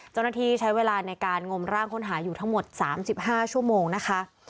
เจ้าหน้าที่ใช้เวลาในการงมร่างค้นหาอยู่ทั้งหมด๓๕ชั่วโมงนะคะ